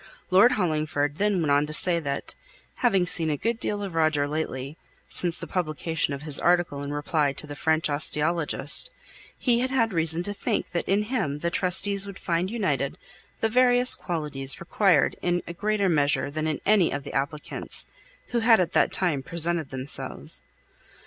Lord Hollingford then went on to say that, having seen a good deal of Roger lately, since the publication of his article in reply to the French osteologist, he had had reason to think that in him the trustees would find united the various qualities required in a greater measure than in any of the applicants who had at that time presented themselves.